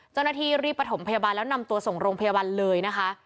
เจ้าหน้าที่รีบประถมพยาบาลแล้วนำตัวส่งโรงพยาบาลเลยนะคะ